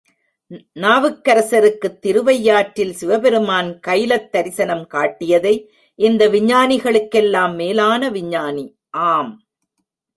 நாவுக்கரசருக்குத் திருவையாற்றில் சிவபெருமான் கைலத் தரிசனம் காட்டியதை, இந்த விஞ்ஞானிகளுக்கெல்லாம் மேலான விஞ்ஞானி, ஆம்!